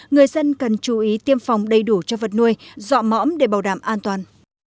người dân cần chú ý tiêm phòng đầy đủ cho vật nuôi dọa mõm để bảo đảm an toàn